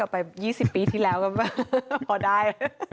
ไป๒๐ปีที่แล้วก็พอได้